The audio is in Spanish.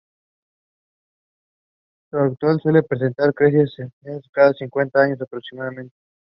Su caudal suele presentar crecidas considerables cada cincuenta años, aproximadamente.